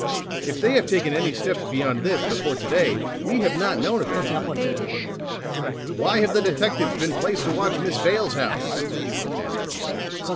"If they have taken any steps beyond this, before to day, we have not known of it." "Why have the detectives been placed to watch Miss Vale's house?" asked the other.